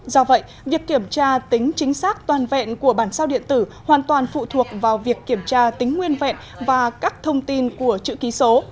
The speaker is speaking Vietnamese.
do vậy việc kiểm tra tính chính xác toàn vẹn của bản sao điện tử hoàn toàn phụ thuộc vào việc kiểm tra tính nguyên vẹn và các thông tin của chữ ký số